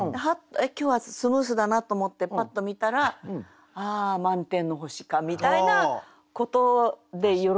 今日はスムーズだなと思ってパッと見たら「ああ満天の星か」みたいなことでよろしいんでしょうかね。